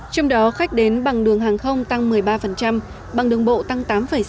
trong đó khách đến bằng đường hàng không tăng một mươi ba bằng đường bộ tăng tám sáu